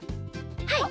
はい。